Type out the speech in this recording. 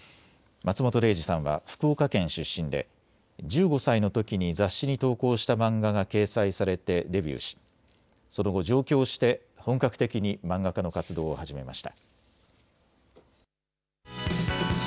松本零士さんは福岡県出身で１５歳のときに雑誌に投稿した漫画が掲載されてデビューしその後、上京して本格的に漫画家の活動を始めました。